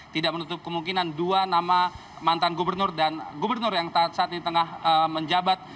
tidak menutup kemungkinan dua nama mantan gubernur dan gubernur yang saat ini tengah menjabat